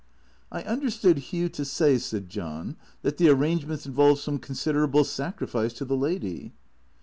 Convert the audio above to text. " I understood Hugh to say," said John, " that the arrange ments involved some considerable sacrifice to the lady."